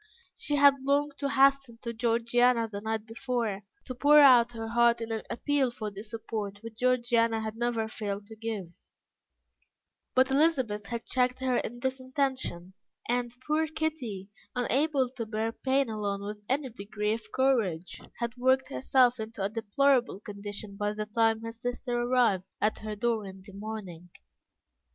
She had longed to hasten to Georgiana the night before, to pour out her heart in an appeal for the support which Georgiana had never failed to give; but Elizabeth had checked her in this intention; and, poor Kitty, unable to bear pain alone with any degree of courage, had worked herself into a deplorable condition by the time her sister arrived at her door in the morning.